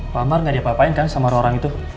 pak amar gak diapa apain kan sama orang itu